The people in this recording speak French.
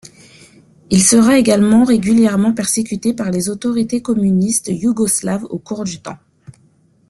Il sera également régulièrement persécuté par les autorités communistes yougoslaves au cours du temps.